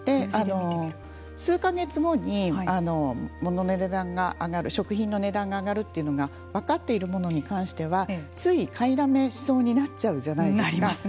数か月後にモノの値段が上がる食品の値段が上がるというのが分かっているものに関してはつい買いだめしそうになっちゃうじゃないですか。